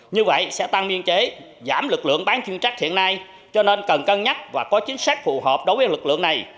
như vậy sẽ tăng biên chế giảm lực lượng bán chuyên trách hiện nay cho nên cần cân nhắc và có chính sách phù hợp đối với lực lượng này